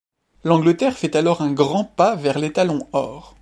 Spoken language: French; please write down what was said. L'Angleterre fait alors un grand pas vers l'étalon-or.